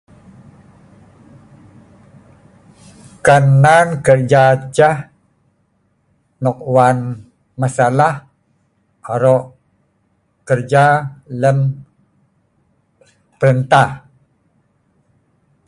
Kan nan keja ceh nok wan masalah aro' kerja lem perintah